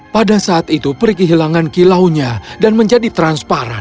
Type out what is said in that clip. pada saat itu pri kehilangan kilaunya dan menjadi transparan